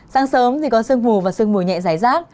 sáng sớm thì có sương mù và sương mù nhẹ dài rác